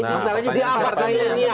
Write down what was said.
misalnya di abad millennial